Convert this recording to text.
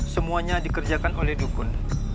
semuanya dikerjakan oleh dukun